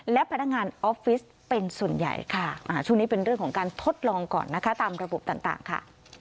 และพนักงานออฟฟิศเป็นส่วนใหญ่ค่ะช่วงนี้เป็นเรื่องของการทดลองก่อนนะคะตามระบบต่างค่ะ